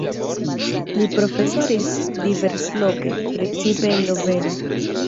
Li profesoris diversloke, precipe en Loveno.